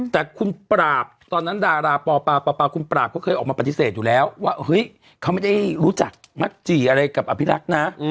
แต่คุณปราบตอนนั้นดาราปอปปคุณปราบเขาเคยออกมาปฏิเสธอยู่แล้วว่าเฮ้ยเขาไม่ได้รู้จักมักจี่อะไรกับอภิรักษ์นะ